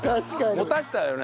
持たせたよね。